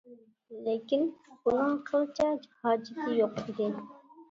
لېكىن بۇنىڭ قىلچە ھاجىتى يوق ئىدى.